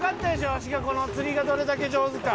わしが釣りがどれだけ上手か。